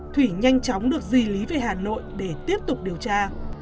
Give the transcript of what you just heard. thủy nhanh chóng được di lý về hà nội để tiếp tục điều tra